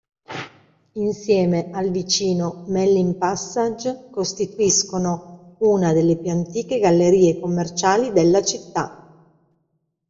Insieme al vicino Mellin-Passage, costituiscono una delle più antiche gallerie commerciali della città.